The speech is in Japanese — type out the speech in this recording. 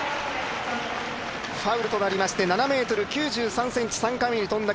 ファウルとなりまして、７ｍ９３ｃｍ３回目に跳んだ